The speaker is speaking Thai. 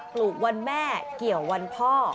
ลูกวันแม่เกี่ยววันพ่อ